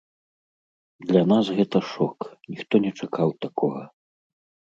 Для нас гэта шок, ніхто не чакаў такога.